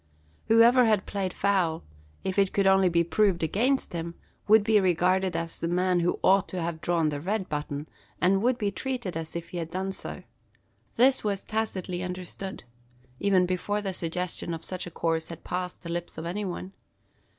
Whoever had played foul, if it could only be proved against him, would be regarded as the man who ought to have drawn the red button; and would be treated as if he had done so. This was tacitly understood; even before the suggestion of such a course had passed the lips of anyone.